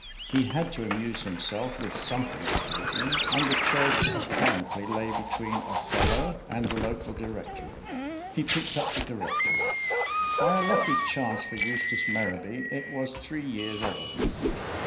He had to amuse himself with something that evening, and the choice apparently lay between "Othello" and the local Directory. He picked up the Directory. By a lucky chance for Eustace Merrowby it was three years old.